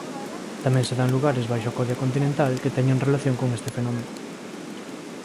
Tamén se dan lugares baixo a codia continental que teñen relación con este fenómeno.